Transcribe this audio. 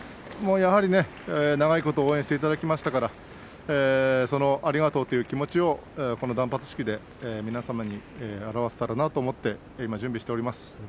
やはり長いこと応援していただきましたからありがとうという気持ちをこの断髪式で、皆様に表せたらなと思って今、準備しております。